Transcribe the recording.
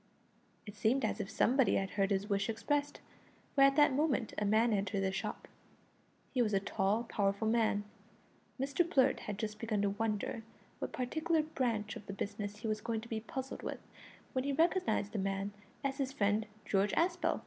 It seemed as if somebody had heard his wish expressed, for at that moment a man entered the shop. He was a tall, powerful man. Mr Blurt had just begun to wonder what particular branch of the business he was going to be puzzled with, when he recognised the man as his friend George Aspel.